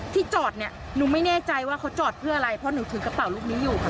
ที่จอดเนี่ยหนูไม่แน่ใจว่าเขาจอดเพื่ออะไรเพราะหนูถือกระเป๋าลูกนี้อยู่ค่ะ